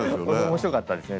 面白かったですね。